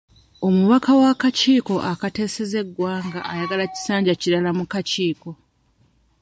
Omubaka w'akakiiko akateeseza eggwanga ayagala kisanja kirala mu kakiiko.